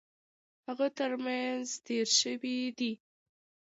هغه ترمېنځ تېر شوی دی.